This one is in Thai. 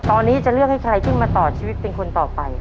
ตอนนี้จะเลือกให้ใครขึ้นมาต่อชีวิตเป็นคนต่อไป